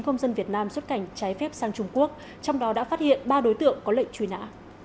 năm mươi chín công dân việt nam xuất cảnh trái phép sang trung quốc trong đó đã phát hiện ba đối tượng có lệnh truy nã